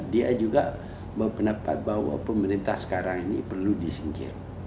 dia juga berpendapat bahwa pemerintah sekarang ini perlu disingkir